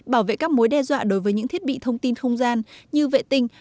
bảo vệ các mối đe dọa đối với những thiết bị thông tin không gian như vệ tinh